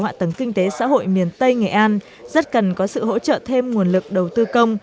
hạ tầng kinh tế xã hội miền tây nghệ an rất cần có sự hỗ trợ thêm nguồn lực đầu tư công